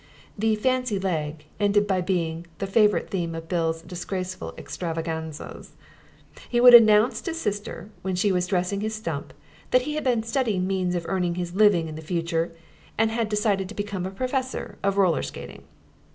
The "fancy leg" ended by being the favourite theme of Bill's disgraceful extravaganzas. He would announce to Sister, when she was dressing his stump, that he had been studying means of earning his living in the future, and had decided to become a professor of roller skating.